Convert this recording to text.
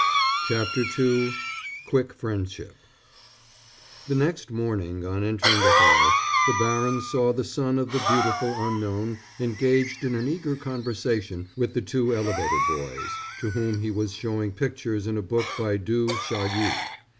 CHAPTER II QUICK FRIENDSHIP The next morning, on entering the hall, the baron saw the son of the beautiful Unknown engaged in an eager conversation with the two elevator boys, to whom he was showing pictures in a book by Du Chaillu.